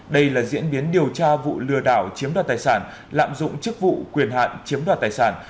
đây là diễn biến điều tra vụ lừa đảo chiếm đoạt tài sản lạm dụng chức vụ quyền hạn chiếm đoạt tài sản